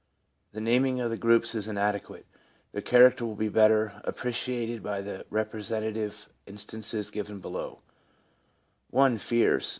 The naming of the groups is inadequate ; their character will be better ap preciated by the representative instances given below :— 1. Fears.